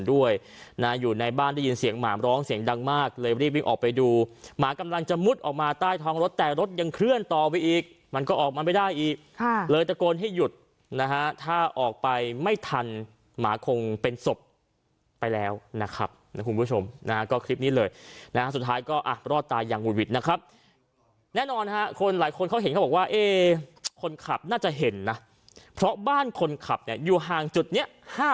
วิ่งออกไปดูหมากำลังจะมุดออกมาใต้ท้องรถแต่รถยังเคลื่อนต่อไปอีกมันก็ออกมาไม่ได้อีกค่ะเลยตะโกนให้หยุดนะฮะถ้าออกไปไม่ทันหมาคงเป็นศพไปแล้วนะครับคุณผู้ชมนะฮะก็คลิปนี้เลยนะฮะสุดท้ายก็อ่ะรอดตายังหุ่นหวิดนะครับแน่นอนฮะคนหลายคนเขาเห็นเขาบอกว่าเอ๊คนขับน่าจะเห็นน่ะเพราะบ้านคนขับเนี่ย